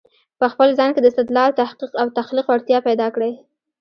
په خپل ځان کې د استدلال، تحقیق او تخليق وړتیا پیدا کړی